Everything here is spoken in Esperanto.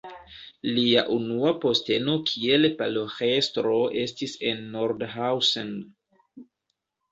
Lia unua posteno kiel paroĥestro estis en Nordhausen.